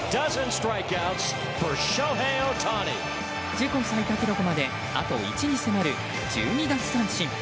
自己最多記録まであと１に迫る１２奪三振。